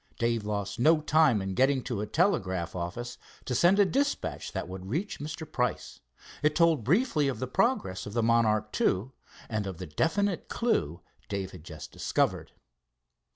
Dave lost no time in getting to a telegraph office, to send a dispatch that would reach Mr. Price. It told briefly of the progress of the Monarch II and of the definite clew Dave had just discovered.